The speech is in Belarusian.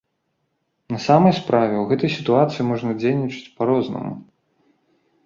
На самай справе, у гэтай сітуацыі можна дзейнічаць па-рознаму.